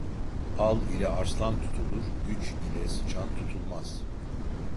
Al ile arslan tutulur, güç ile sıçan tutulmaz.